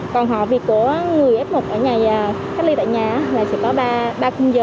còn họ việc của người f một ở nhà cách ly tại nhà sẽ có ba khung giờ